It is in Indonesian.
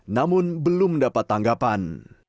namun belum mendapat tanggapan